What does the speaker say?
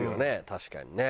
確かにね。